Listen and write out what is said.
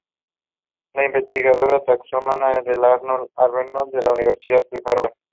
Es investigadora taxónoma en el "Arnold Arboretum", de la Universidad de Harvard.